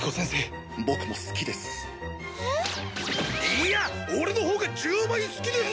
いいや俺のほうが１０倍好きです！